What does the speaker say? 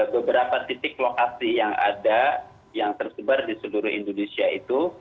beberapa titik lokasi yang ada yang tersebar di seluruh indonesia itu